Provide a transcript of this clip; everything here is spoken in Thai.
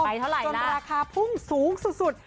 เท่าไหร่นะราคาพุ่งสูงสุด